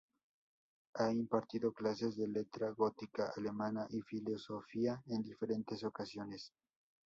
Ha impartido clases de Letra Gótica Alemana y Filosofía en diferentes ocasiones.